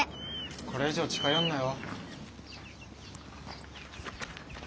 これ以上近寄んなよ。